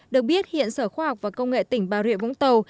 được biết hiện sở khoa học và công nghệ tỉnh bà rịa vũng tàu